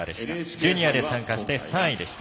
ジュニアで参加して３位でした。